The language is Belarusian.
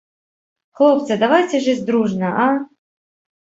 Хлопцы, давайце жыць дружна, а!